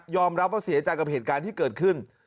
รับว่าเสียใจกับเหตุการณ์ที่เกิดขึ้น